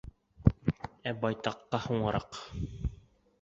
Ә байтаҡҡа һуңыраҡ.